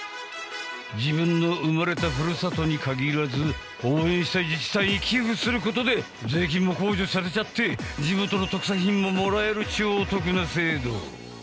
自分の生まれたふるさとに限らず応援したい自治体に寄付する事で税金も控除されちゃって地元の特産品ももらえる超お得な制度。